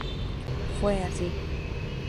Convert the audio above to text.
Fue así.